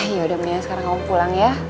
yaudah mendingan sekarang kamu pulang ya